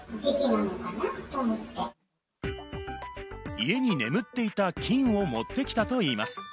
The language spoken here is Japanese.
家に眠っていた金を持って来たといいます。